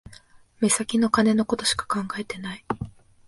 目先の金のことしか考えてない